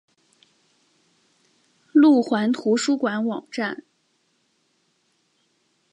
路环图书馆网站